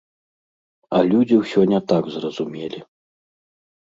А людзі ўсё не так зразумелі.